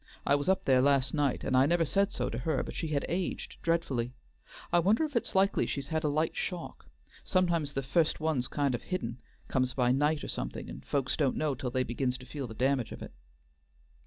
I was up there last night, and I never said so to her, but she had aged dreadfully. I wonder if it's likely she's had a light shock? Sometimes the fust one's kind o' hidden; comes by night or somethin', and folks don't know till they begins to feel the damage of it."